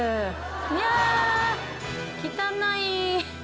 いや汚い。